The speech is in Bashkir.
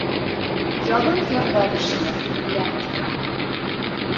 Яҙын ярҙар ишелә, ләм ултыра.